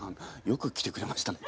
よく来てくれましたね。